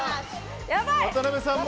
渡邊さん